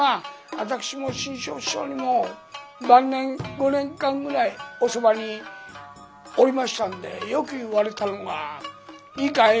私も志ん生師匠にも晩年５年間ぐらいおそばにおりましたんでよく言われたのが「いいかい？